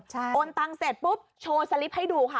โอนตังค์เสร็จปุ๊บโชว์สลิปให้ดูค่ะ